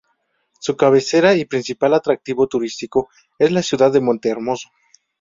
Su cabecera y principal atractivo turístico es la ciudad de Monte Hermoso.